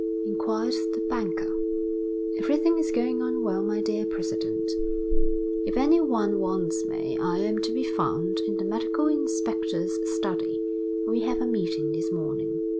inquired the banker. "Everything is going on well, my dear President." "If anyone wants me, I am to be found in the medical inspector's study. We have a meeting this morning."